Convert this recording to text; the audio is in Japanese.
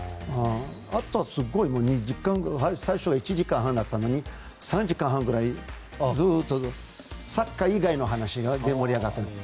あとはすごい時間が最初は１時間半だったのに３時間半ぐらいずっとサッカー以外の話で盛り上がったんです。